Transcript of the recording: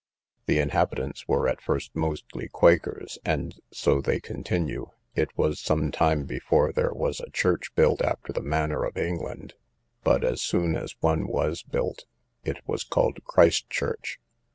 The inhabitants were at first mostly quakers, and so they continue. It was some time before there was a church built after the manner of England; but as soon as one was built, it was called Christchurch.